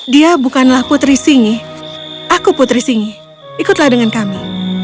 dia bukanlah putri singi aku putri singi ikutlah dengan kami